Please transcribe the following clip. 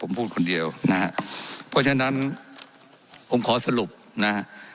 ผมพูดคนเดียวนะฮะเพราะฉะนั้นผมขอสรุปนะฮะ